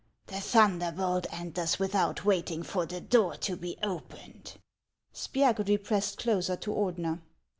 The thunderbolt enters without waiting for the door to be opened." Spiagudry pressed closer to Ordeuer.